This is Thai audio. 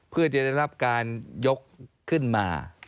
เพื่อจะได้รับการยกขึ้นมา